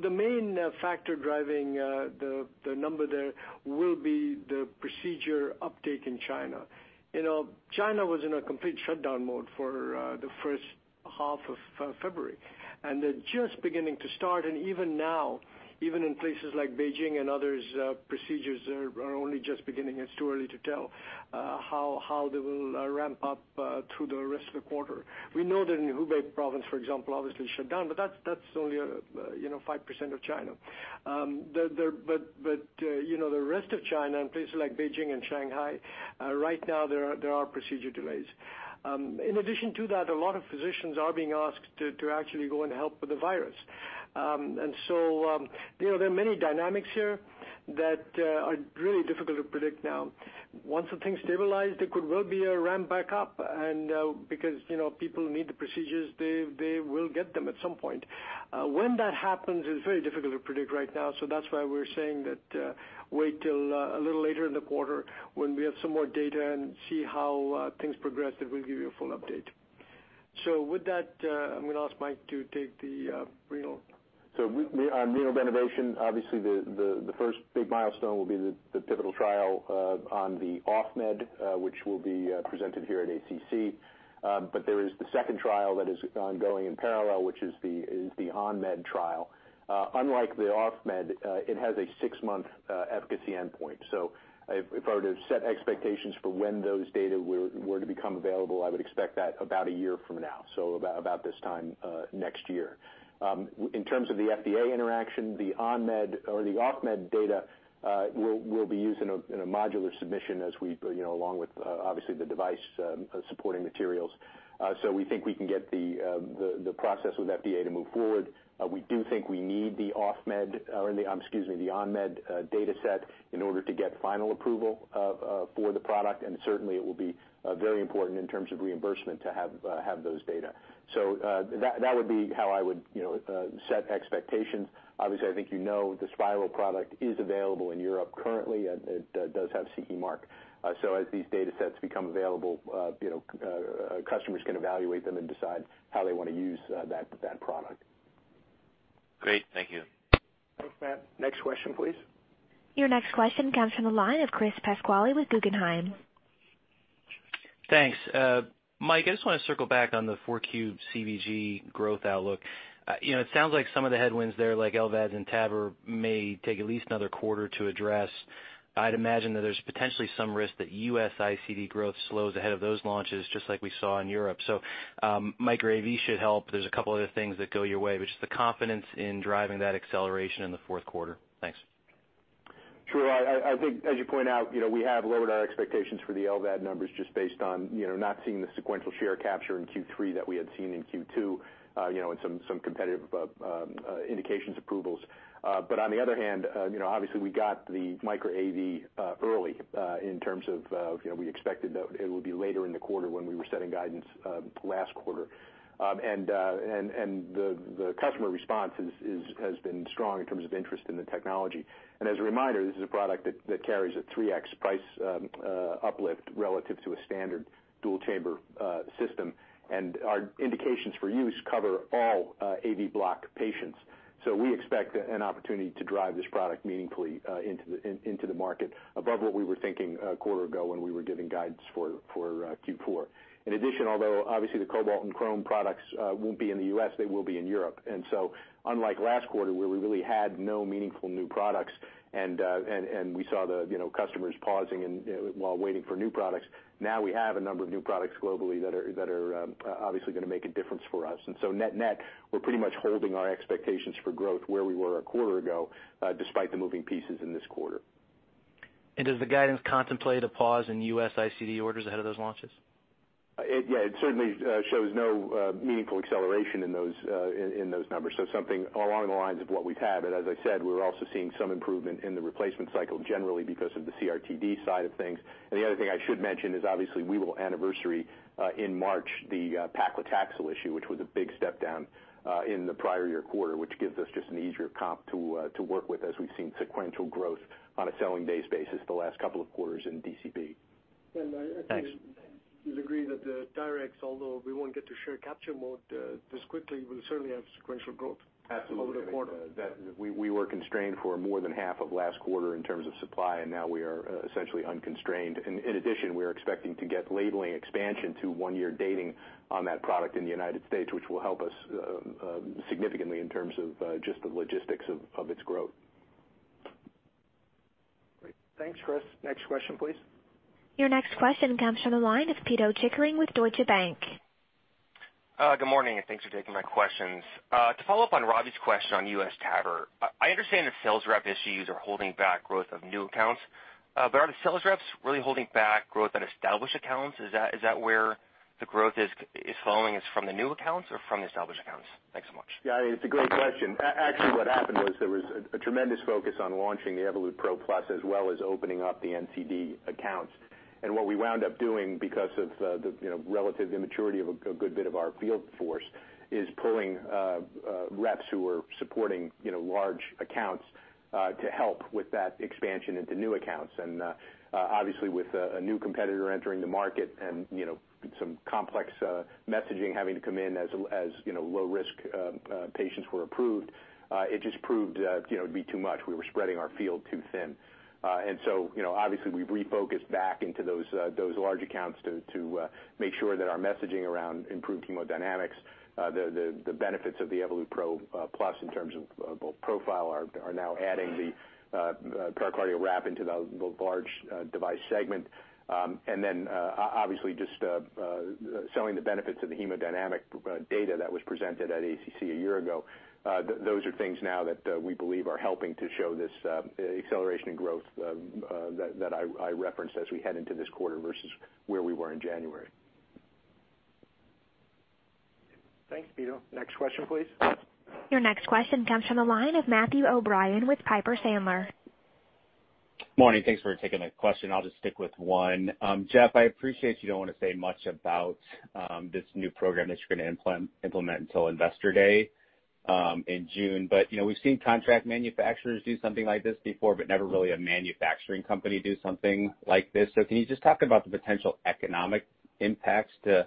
Speaker 3: The main factor driving the number there will be the procedure uptake in China. China was in a complete shutdown mode for the first half of February. They're just beginning to start, and even now, even in places like Beijing and others, procedures are only just beginning. It's too early to tell how they will ramp up through the rest of the quarter. We know that in Hubei province, for example, obviously shut down, but that's only 5% of China. The rest of China, in places like Beijing and Shanghai, right now there are procedure delays. In addition to that, a lot of physicians are being asked to actually go and help with the virus. There are many dynamics here that are really difficult to predict now. Once the things stabilize, there could well be a ramp back up and because people need the procedures, they will get them at some point. When that happens is very difficult to predict right now. That's why we're saying that wait till a little later in the quarter when we have some more data and see how things progress, then we'll give you a full update. With that, I'm going to ask Mike to take the renal.
Speaker 7: On renal denervation, obviously the first big milestone will be the pivotal trial on the Off Med, which will be presented here at ACC. There is the second trial that is ongoing in parallel, which is the On Med trial. Unlike the Off Med, it has a six-month efficacy endpoint. If I were to set expectations for when those data were to become available, I would expect that about one year from now. About this time next year. In terms of the FDA interaction, the On Med or the Off Med data will be used in a modular submission as we go along with obviously the device supporting materials. We think we can get the process with FDA to move forward. We do think we need the off med or the, excuse me, the on med data set in order to get final approval for the product and certainly it will be very important in terms of reimbursement to have those data. That would be how I would set expectations. Obviously, I think you know the Spyral product is available in Europe currently and it does have CE mark. As these data sets become available, customers can evaluate them and decide how they want to use that product.
Speaker 18: Great. Thank you.
Speaker 2: Thanks, Matt. Next question, please.
Speaker 1: Your next question comes from the line of Chris Pasquale with Guggenheim Securities.
Speaker 19: Thanks. Mike, I just want to circle back on the 4Q CVG growth outlook. It sounds like some of the headwinds there like LVAD and TAVR may take at least another quarter to address. I'd imagine that there's potentially some risk that U.S. ICD growth slows ahead of those launches just like we saw in Europe. Micra AV should help. There's a couple other things that go your way, which is the confidence in driving that acceleration in the fourth quarter. Thanks.
Speaker 7: Sure. I think as you point out, we have lowered our expectations for the LVAD numbers just based on not seeing the sequential share capture in Q3 that we had seen in Q2 and some competitive indications approvals. On the other hand, obviously we got the Micra AV early in terms of we expected that it would be later in the quarter when we were setting guidance last quarter. The customer response has been strong in terms of interest in the technology. As a reminder, this is a product that carries a 3x price uplift relative to a standard dual chamber system. Our indications for use cover all AV block patients. We expect an opportunity to drive this product meaningfully into the market above what we were thinking a quarter ago when we were giving guidance for Q4. In addition, although obviously the Cobalt and Crome products won't be in the U.S., they will be in Europe. Unlike last quarter where we really had no meaningful new products and we saw the customers pausing while waiting for new products, now we have a number of new products globally that are obviously going to make a difference for us. Net-net, we're pretty much holding our expectations for growth where we were a quarter ago despite the moving pieces in this quarter.
Speaker 19: Does the guidance contemplate a pause in U.S. ICD orders ahead of those launches?
Speaker 7: Yeah, it certainly shows no meaningful acceleration in those numbers. Something along the lines of what we've had. As I said, we're also seeing some improvement in the replacement cycle generally because of the CRT-D side of things. The other thing I should mention is obviously we will anniversary in March the paclitaxel issue, which was a big step down in the prior year quarter, which gives us just an easier comp to work with as we've seen sequential growth on a selling days basis the last couple of quarters in DCB.
Speaker 19: Thanks.
Speaker 3: I think you'll agree that the TYRX, although we won't get to share capture mode this quickly, will certainly have sequential growth over the quarter.
Speaker 7: Absolutely. We were constrained for more than half of last quarter in terms of supply and now we are essentially unconstrained. In addition, we are expecting to get labeling expansion to one-year dating on that product in the United States, which will help us significantly in terms of just the logistics of its growth.
Speaker 2: Great. Thanks, Chris. Next question, please.
Speaker 1: Your next question comes from the line of Pito Chickering with Deutsche Bank.
Speaker 20: Good morning and thanks for taking my questions. To follow up on Robbie's question on U.S. TAVR, I understand that sales rep issues are holding back growth of new accounts, but are the sales reps really holding back growth on established accounts? Is that where the growth is falling is from the new accounts or from established accounts? Thanks so much.
Speaker 7: Yeah, it's a great question. Actually, what happened was there was a tremendous focus on launching the Evolut PRO+ as well as opening up the NCD accounts. What we wound up doing because of the relative immaturity of a good bit of our field force is pulling reps who were supporting large accounts to help with that expansion into new accounts. Obviously with a new competitor entering the market and some complex messaging having to come in as low risk patients were approved, it just proved that it'd be too much. We were spreading our field too thin. Obviously we refocused back into those large accounts to make sure that our messaging around improved hemodynamics, the benefits of the Evolut PRO+ in terms of both profile are now adding the pericardial wrap into the large device segment. Obviously just selling the benefits of the hemodynamic data that was presented at ACC a year ago. Those are things now that we believe are helping to show this acceleration in growth that I referenced as we head into this quarter versus where we were in January.
Speaker 2: Thanks, Pito. Next question, please.
Speaker 1: Your next question comes from the line of Matthew O'Brien with Piper Sandler.
Speaker 21: Morning. Thanks for taking my question. I'll just stick with one. Geoff, I appreciate you don't want to say much about this new program that you're going to implement until Investor Day in June. We've seen contract manufacturers do something like this before, but never really a manufacturing company do something like this. Can you just talk about the potential economic impacts to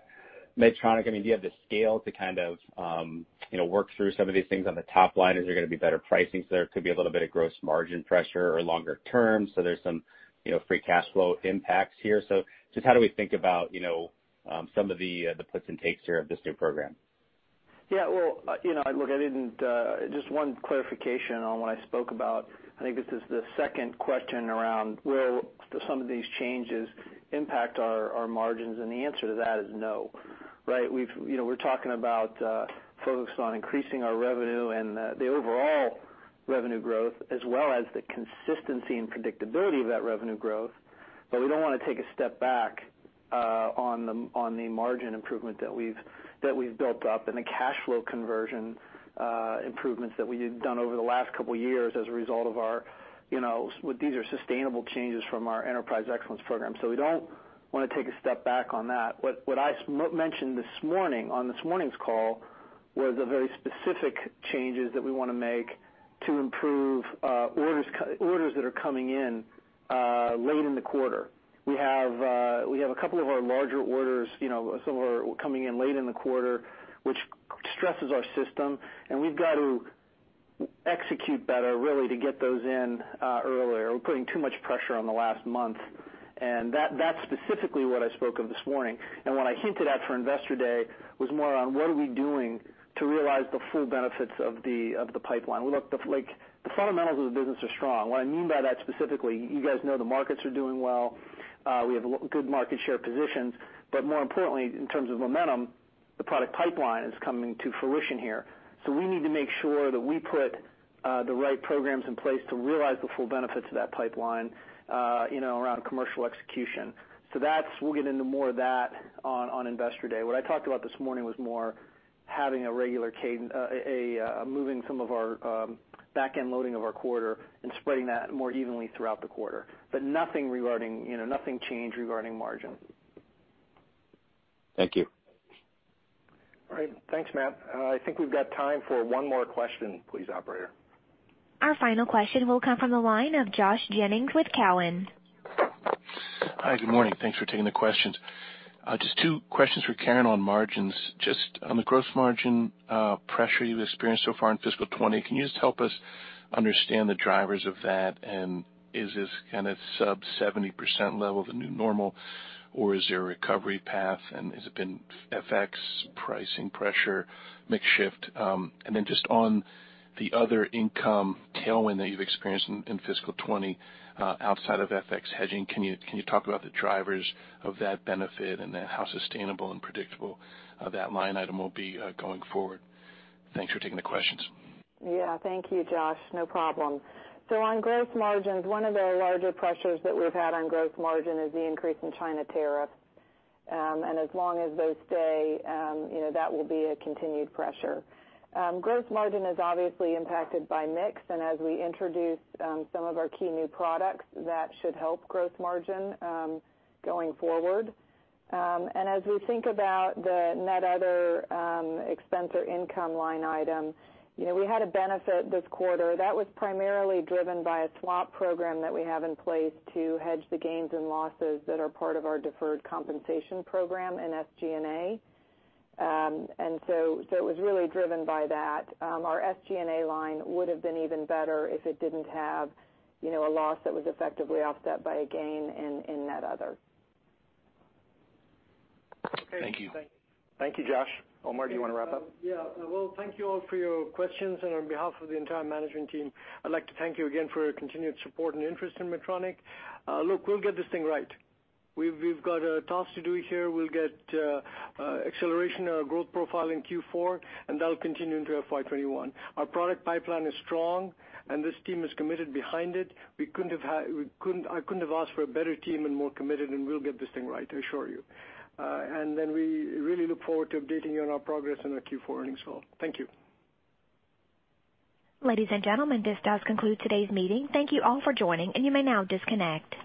Speaker 21: Medtronic? Do you have the scale to work through some of these things on the top line? Is there going to be better pricing, so there could be a little bit of gross margin pressure or longer term, so there's some free cash flow impacts here? Just how do we think about some of the puts and takes here of this new program?
Speaker 5: Yeah. Just one clarification on what I spoke about. I think this is the second question around will some of these changes impact our margins, and the answer to that is no, right? We're talking about a focus on increasing our revenue and the overall revenue growth, as well as the consistency and predictability of that revenue growth. We don't want to take a step back on the margin improvement that we've built up and the cash flow conversion improvements that we've done over the last couple of years. These are sustainable changes from our Enterprise Excellence Program. We don't want to take a step back on that. What I mentioned this morning on this morning's call was the very specific changes that we want to make to improve orders that are coming in late in the quarter. We have a couple of our larger orders, some are coming in late in the quarter, which stresses our system. We've got to execute better, really, to get those in earlier. We're putting too much pressure on the last month. That's specifically what I spoke of this morning. What I hinted at for Investor Day was more on what are we doing to realize the full benefits of the pipeline. Look, the fundamentals of the business are strong. What I mean by that specifically, you guys know the markets are doing well. We have good market share positions. More importantly, in terms of momentum, the product pipeline is coming to fruition here. We need to make sure that we put the right programs in place to realize the full benefits of that pipeline around commercial execution. We'll get into more of that on Investor Day. What I talked about this morning was more having a regular cadence, moving some of our back-end loading of our quarter and spreading that more evenly throughout the quarter. Nothing changed regarding margin.
Speaker 21: Thank you.
Speaker 3: All right. Thanks, Matt. I think we've got time for one more question. Please, operator.
Speaker 1: Our final question will come from the line of Josh Jennings with Cowen.
Speaker 22: Hi, good morning. Thanks for taking the questions. Just two questions for Karen on margins. Just on the gross margin pressure you've experienced so far in fiscal 2020, can you just help us understand the drivers of that? Is this kind of sub 70% level the new normal, or is there a recovery path, has it been FX pricing pressure, mix shift? Just on the other income tailwind that you've experienced in fiscal 2020 outside of FX hedging, can you talk about the drivers of that benefit and how sustainable and predictable that line item will be going forward? Thanks for taking the questions.
Speaker 4: Yeah. Thank you, Josh. No problem. On gross margins, one of the larger pressures that we've had on gross margin is the increase in China tariffs. As long as those stay, that will be a continued pressure. Gross margin is obviously impacted by mix, and as we introduce some of our key new products, that should help gross margin going forward. As we think about the net other expense or income line item, we had a benefit this quarter that was primarily driven by a swap program that we have in place to hedge the gains and losses that are part of our deferred compensation program in SG&A. It was really driven by that. Our SG&A line would have been even better if it didn't have a loss that was effectively offset by a gain in net other.
Speaker 22: Thank you.
Speaker 2: Thank you, Josh. Omar, do you want to wrap up?
Speaker 3: Yeah. Well, thank you all for your questions. On behalf of the entire management team, I'd like to thank you again for your continued support and interest in Medtronic. Look, we'll get this thing right. We've got a task to do here. We'll get acceleration in our growth profile in Q4, and that'll continue into FY 2021. Our product pipeline is strong, and this team is committed behind it. I couldn't have asked for a better team and more committed, and we'll get this thing right, I assure you. Then we really look forward to updating you on our progress in our Q4 earnings call. Thank you.
Speaker 1: Ladies and gentlemen, this does conclude today's meeting. Thank you all for joining, and you may now disconnect.